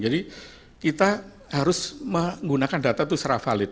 jadi kita harus menggunakan data itu secara valid